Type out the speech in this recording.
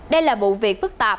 đây là bộ việc phức tạp